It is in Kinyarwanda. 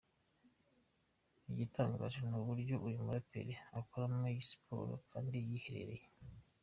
Igitangaje, ni uburyo uyu muraperi akoramo iyi siporo kandi yiherereye.